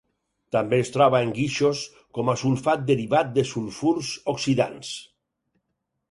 També es troba en guixos, com a sulfat derivat de sulfurs oxidants.